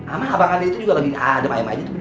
aman abang adek itu juga lagi adem aja